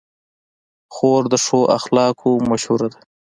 خور د ښو اخلاقو مشهوره ده.